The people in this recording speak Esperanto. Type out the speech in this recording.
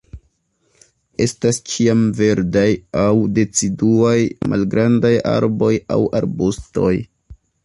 Estas ĉiamverdaj aŭ deciduaj, malgrandaj arboj aŭ arbustoj.